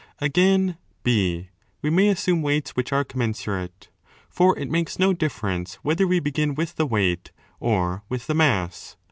Again (4) we may assume weights which are com mensurate; for it makes no difference whether we begin with the weight or with the mass.